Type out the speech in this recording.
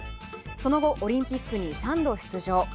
その後、オリンピックに３度出場。